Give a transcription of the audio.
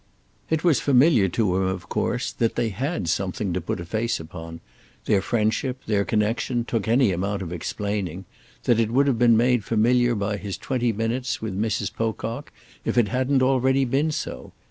It was familiar to him of course that they had something to put a face upon; their friendship, their connexion, took any amount of explaining—that would have been made familiar by his twenty minutes with Mrs. Pocock if it hadn't already been so.